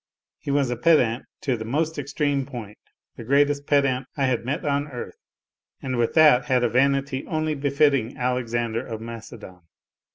He was a pedant, to the most extreme point, the greatest pedant I had met on earth, and with that had a vanity only befitting Alexander of Macedon.